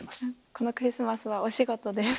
このクリスマスはお仕事です。